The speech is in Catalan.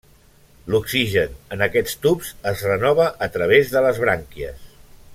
L'oxigen en aquests tubs es renova a través de les brànquies.